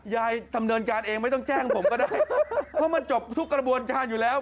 ดำเนินการเองไม่ต้องแจ้งผมก็ได้เพราะมันจบทุกกระบวนการอยู่แล้ว